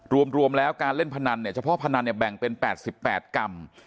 รวมแล้วการเล่นพนันเนี่ยเฉพาะพนันเนี่ยแบ่งเป็น๘๘กรัม